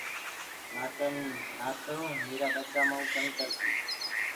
نآ تو ٻچآ ميرآ مئون تنگ ڪرسيٚ